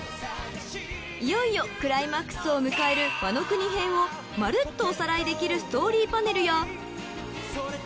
［いよいよクライマックスを迎えるワノ国編をまるっとおさらいできるストーリーパネルや］